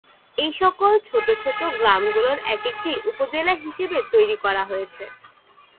এই সকল ছোট ছোট গ্রামগুলির একেকটি উপজেলা হিসাবে তৈরী করা হয়েছে।